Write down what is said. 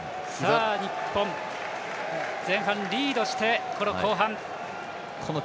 日本、前半リードしてこの後半。